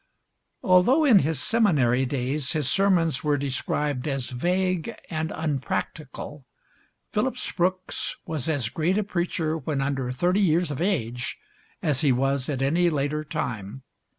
[Illustration: PHILIPS BROOKS.] Although in his seminary days his sermons were described as vague and unpractical, Phillips Brooks was as great a preacher when under thirty years of age as he was at any later time.